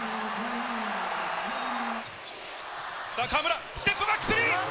さあ、河村、ステップバックスリー。